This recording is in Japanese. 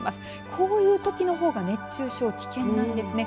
こういうときのほうが熱中症、危険なんですね。